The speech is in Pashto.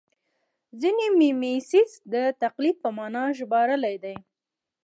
ځینې میمیسیس د تقلید په مانا ژباړلی دی